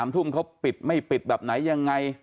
๓ทุ่มเขาปิดไม่ปิดแบบไหนยังไง